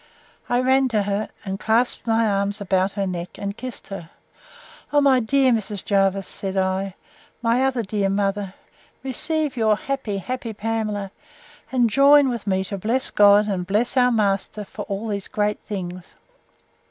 —I ran to her, and clasped my arms about her neck, and kissed her; O my dear Mrs. Jervis! said I, my other dear mother! receive your happy, happy Pamela; and join with me to bless God, and bless our master, for all these great things!